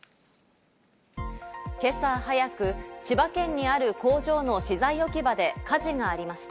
今朝早く、千葉県にある工場の資材置き場で火事がありました。